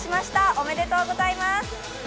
おめでとうございます。